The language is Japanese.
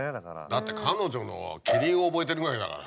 だって彼女のキリンを覚えてるぐらいだから。